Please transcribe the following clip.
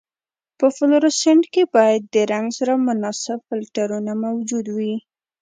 په فلورسنټ کې باید د رنګ سره مناسب فلټرونه موجود وي.